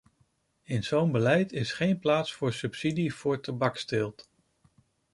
In zo'n beleid is geen plaats voor subsidie voor tabaksteelt.